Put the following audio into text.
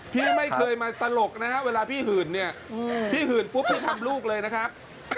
พี่ไม่เคยมาตลกนะฮะเวลาพี่หื่นเนี่ยพี่หื่นปุ๊บพี่ทำลูกเลยนะครับ